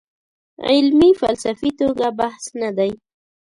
علمي فلسفي توګه بحث نه دی.